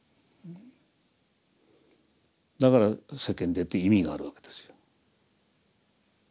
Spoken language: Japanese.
だから世間に出て意味があるわけですよ。